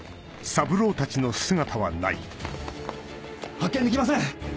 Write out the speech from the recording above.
発見できません！